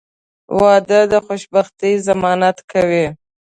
• واده د خوشبختۍ ضمانت کوي.